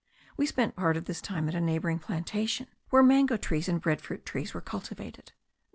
We spent part of this time at a neighbouring plantation, where mango trees and bread fruit trees* were cultivated.